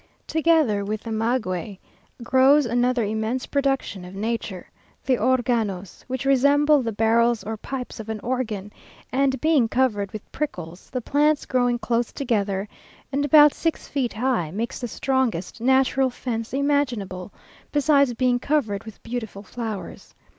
Together with the maguey, grows another immense production of nature, the organos, which resembles the barrels or pipes of an organ, and being covered with prickles, the plants growing close together, and about six feet high, makes the strongest natural fence imaginable, besides being covered with beautiful flowers.